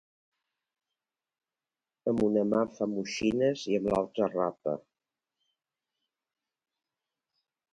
Amb una mà fa moixines i amb l'altra rapa.